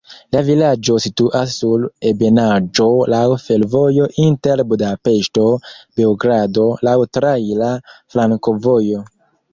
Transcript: La vilaĝo situas sur ebenaĵo, laŭ fervojo inter Budapeŝto-Beogrado, laŭ traira flankovojo.